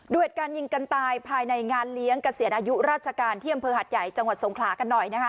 เหตุการณ์ยิงกันตายภายในงานเลี้ยงเกษียณอายุราชการที่อำเภอหัดใหญ่จังหวัดสงขลากันหน่อยนะคะ